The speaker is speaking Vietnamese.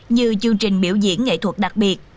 như chương trình biểu diễn nghệ thuật đặc biệt